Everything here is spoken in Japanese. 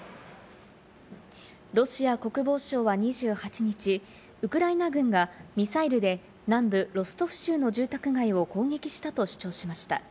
ロシア国防省は２８日、ウクライナ軍がミサイルで南部ロストフ州の住宅街を攻撃したと主張しました。